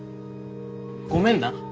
ごめんな。